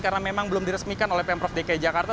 karena memang belum diresmikan oleh pemprov dki jakarta